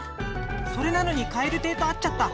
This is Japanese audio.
それなのにカエルテイと会っちゃった。